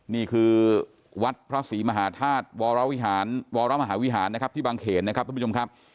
นี่คือวัดพระศรีมหาธาตุวรวิหารวรมหาวิหารนะครับที่บางเขนนะครับทุกผู้ชมครับ